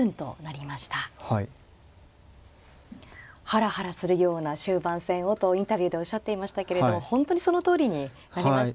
ハラハラするような終盤戦をとインタビューでおっしゃっていましたけれども本当にそのとおりになりましたね。